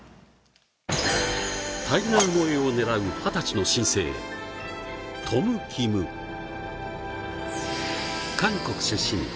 タイガー超えを狙う二十歳の新星、トム・キム、韓国出身。